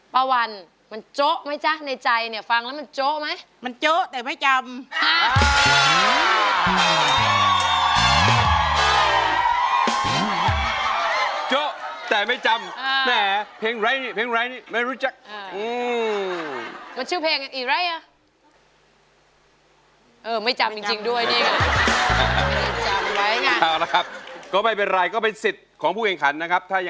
ป้าวันมันโจ๊กไหมจ๊ะในใจฟังแล้วมันโจ๊กไหม